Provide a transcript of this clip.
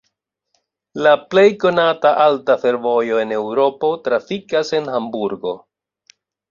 La plej konata alta fervojo en Eŭropo trafikas en Hamburgo.